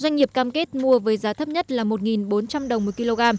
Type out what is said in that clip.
doanh nghiệp cam kết mua với giá thấp nhất là một bốn trăm linh đồng